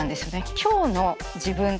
今日の自分。